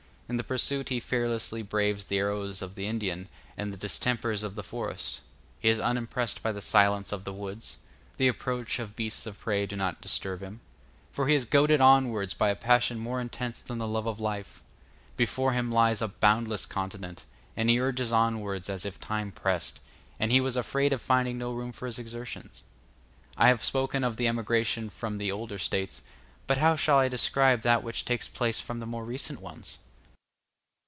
In the pursuit he fearlessly braves the arrow of the Indian and the distempers of the forest; he is unimpressed by the silence of the woods; the approach of beasts of prey does not disturb him; for he is goaded onwards by a passion more intense than the love of life. Before him lies a boundless continent, and he urges onwards as if time pressed, and he was afraid of finding no room for his exertions. I have spoken of the emigration from the older States, but how shall I describe that which takes place from the more recent ones?